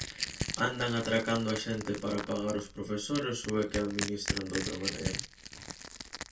¿Andan atracando a xente para pagar os profesores ou é que administran doutra maneira?